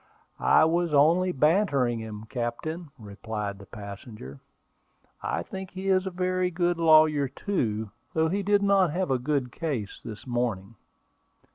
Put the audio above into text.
"I was only bantering him, captain," replied the passenger. "I think he is a very good lawyer too, though he did not have a good case this morning."